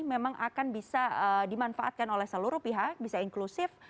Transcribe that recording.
memang akan bisa dimanfaatkan oleh seluruh pihak bisa inklusif